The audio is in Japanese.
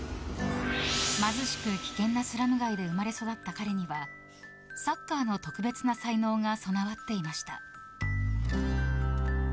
貧しく危険なスラム街で生まれ育った彼にはサッカーの特別な才能が備わっていました。